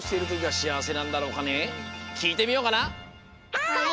はい！